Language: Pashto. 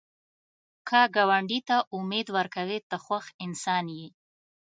که ګاونډي ته امید ورکوې، ته خوښ انسان یې